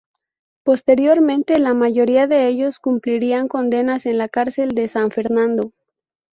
Posteriormente la mayoría de ellos cumplirían condenas en la cárcel de San Fernando.